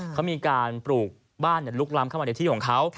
เขามีการปลูกบ้านลุกล้ำเข้ามาในที่ของเขา